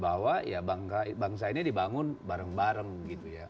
bahwa ya bangsa ini dibangun bareng bareng gitu ya